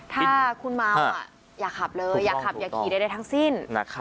ถ้าคุณมาลอยากขับเลยอยากขับอยากขี่ได้ได้ทั้งสิ้น